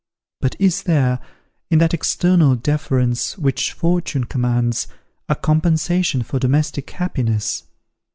But is there, in that external deference which fortune commands, a compensation for domestic happiness?